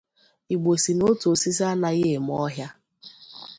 Igbo sị na ótù osisi anaghịa eme ọhịa